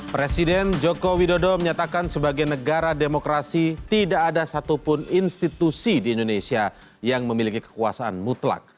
presiden joko widodo menyatakan sebagai negara demokrasi tidak ada satupun institusi di indonesia yang memiliki kekuasaan mutlak